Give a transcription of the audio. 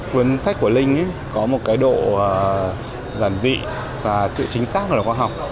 cuốn sách của linh ấy có một cái độ giản dị và sự chính xác của loại khoa học